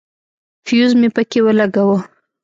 فيوز مې پکښې ولګاوه.